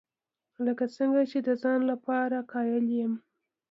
لکه څنګه چې د ځان لپاره قایل یم.